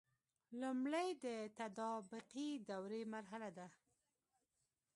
لمړی د تطابقي دورې مرحله ده.